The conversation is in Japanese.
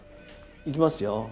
いきますよ。